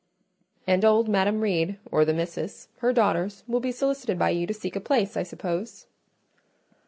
"And old Madam Reed, or the Misses, her daughters, will be solicited by you to seek a place, I suppose?"